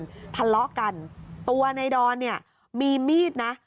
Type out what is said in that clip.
ทะเลาะกันตัวในดอนเนี่ยมีมีดนะ